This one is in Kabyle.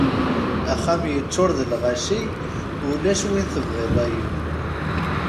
Axxam yeččuṛ d lɣaci ulac win tebɣiḍ ay ul!